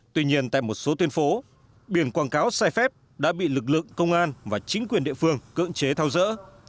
tuy nhiên tại một số tuyến phố biển quảng cáo sai phép đã bị lực lượng công an và chính quyền địa phương cưỡng chế tháo rỡ